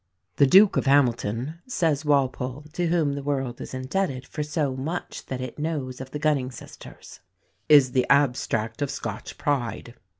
"The Duke of Hamilton," says Walpole, to whom the world is indebted for so much that it knows of the Gunning sisters, "is the abstract of Scotch pride.